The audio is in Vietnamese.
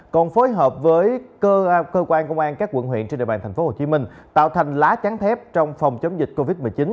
còn phối hợp với cơ quan công an các quận huyện trên địa bàn tp hcm tạo thành lá chắn thép trong phòng chống dịch covid một mươi chín